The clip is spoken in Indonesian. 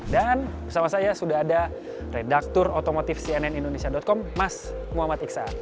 dan bersama saya sudah ada redaktur otomotif cnn indonesia com mas muhammad iksa